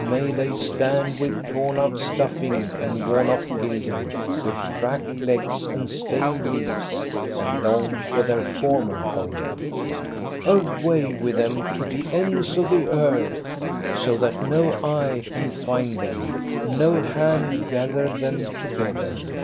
May they stand with torn out stuffing and worn off" gilding, with cracked legs and stained leaves, and long for their former home! Away with them to the ends of the earth, so that no eye can find them, no hand gather them together